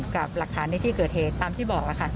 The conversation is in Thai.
กับหลักฐานในที่เกิดเหตุตามที่บอกค่ะ